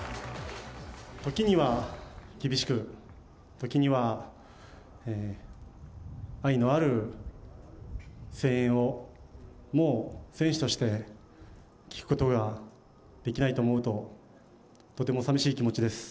時には厳しく、時には愛のある声援を、もう選手として聞くことができないと思うと、とてもさみしい気持ちです。